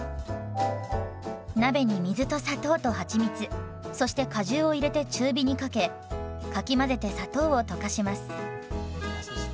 鍋に水と砂糖とはちみつそして果汁を入れて中火にかけかき混ぜて砂糖を溶かします。